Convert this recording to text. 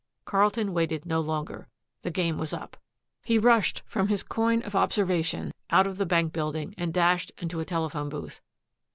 Carlton waited no longer. The game was up. He rushed from his coign of observation, out of the bank building, and dashed into a telephone booth.